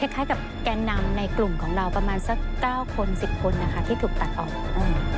คล้ายกับแกนนำในกลุ่มของเราประมาณสัก๙คน๑๐คนนะคะที่ถูกตัดออก